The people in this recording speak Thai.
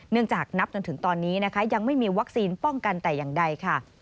เนื่องจากนับจนถึงตอนนี้ยังไม่มีวัคซีนป้องกันแต่อย่างใด